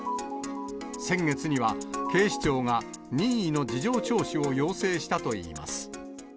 先月には警視庁が任意の事情聴取を要請したといいます。